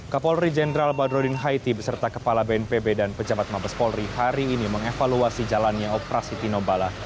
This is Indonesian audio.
kapolri jenderal badrodin haiti beserta kepala bnpb dan pejabat mabes polri hari ini mengevaluasi jalannya operasi tinombala